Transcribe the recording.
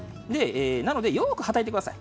なので、よくはたいてください。